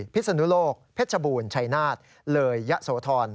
พิศนุโลกเพชรบูรณ์ชัยนาฏเลยยะโสธร